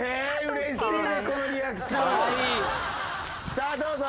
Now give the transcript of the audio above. さあどうぞ。